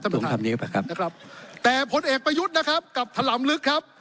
ผมทำนี้ไปครับนะครับแต่ผลเอกประยุทธ์นะครับกลับถลำลึกครับ